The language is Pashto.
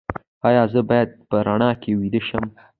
ایا زه باید په رڼا کې ویده شم؟